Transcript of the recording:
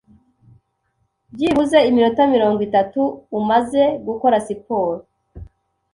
byibuze iminota mirongo itatu umaze gukora siporo,